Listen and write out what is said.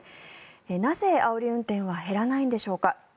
なぜ、あおり運転は減らないのでしょうか。